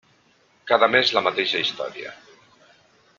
Cada mes, la mateixa història.